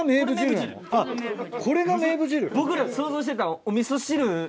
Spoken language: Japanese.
僕ら想像してたんお味噌汁。